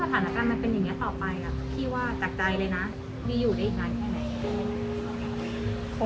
ถ้าสถานการณ์มันเป็นอย่างเงี้ยต่อไปอ่ะพี่ว่าจากใจเลยนะมีอยู่ได้อีกนานแค่ไหน